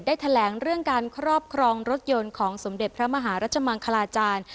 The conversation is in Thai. แถลงเรื่องการครอบครองรถยนต์ของสมเด็จพระมหารัชมังคลาจารย์